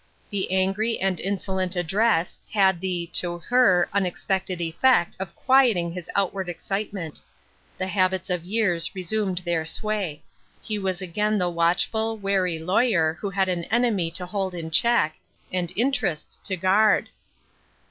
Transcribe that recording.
The angry and insolent address had the (to her) unexpected effect of quieting his outward excite ment. The habits of years resumed their sway. He was again the watchful, wary lawyer who had an enemy to hold in check, and interests to guard.